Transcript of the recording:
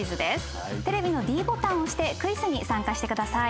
テレビのｄボタンを押してクイズに参加してください。